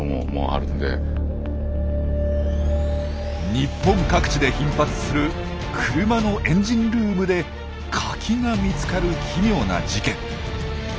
日本各地で頻発する車のエンジンルームでカキが見つかる奇妙な事件。